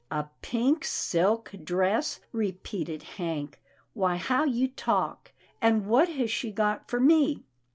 " A pink silk dress," repeated Hank, " why, how you talk — and what has she got for me?"